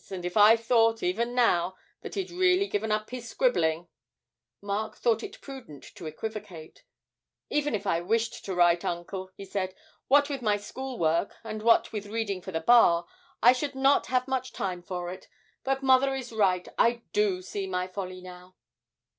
And if I thought, even now, that he'd really given up his scribbling ' Mark thought it prudent to equivocate: 'Even if I wished to write, uncle,' he said, 'what with my school work, and what with reading for the Bar, I should not have much time for it; but mother is right, I do see my folly now.'